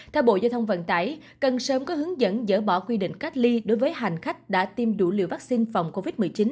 theo bộ giao thông vận tải cần sớm có hướng dẫn dỡ bỏ quy định cách ly đối với hành khách đã tiêm đủ liều vaccine phòng covid một mươi chín